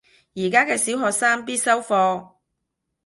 而家嘅小學生必修課